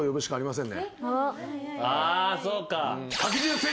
あそうか。